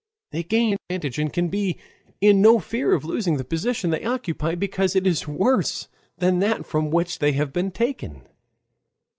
They gain no kind of advantage and can be in no fear of losing the position they occupy, because it is worse than that from which they have been taken.